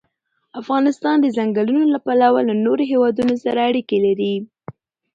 افغانستان د ځنګلونه له پلوه له نورو هېوادونو سره اړیکې لري.